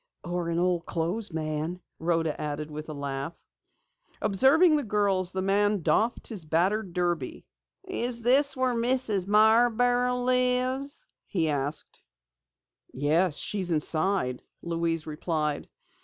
"Or an old clothes man," Rhoda added with a laugh. Observing the girls, the man doffed his battered derby. "Is this where Mrs. Marborough lives?" he asked. "Yes, she is inside," Louise replied.